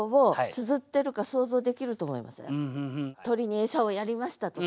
「鶏に餌をやりました」とか。